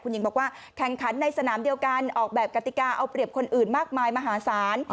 หญิงบอกว่าแข่งขันในสนามเดียวกันออกแบบกติกาเอาเปรียบคนอื่นมากมายมหาศาล